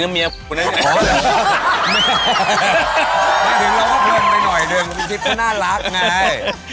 น่ารักไง